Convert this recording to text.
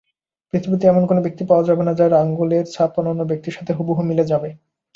পৃথিবীতে এমন কোনো ব্যক্তি পাওয়া যাবে না যার আঙ্গুলে ছাপ অন্য কোনো ব্যক্তির সাথে হুবহু মিলে যাবে।